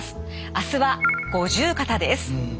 明日は五十肩です。